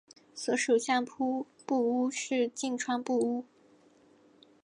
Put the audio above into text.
所属相扑部屋是境川部屋。